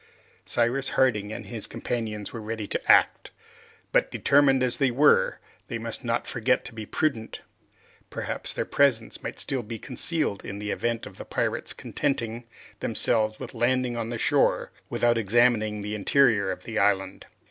Cyrus Harding and his companions were ready to act, but, determined though they were, they must not forget to be prudent. Perhaps their presence might still be concealed in the event of the pirates contenting themselves with landing on the shore without examining the interior of the island.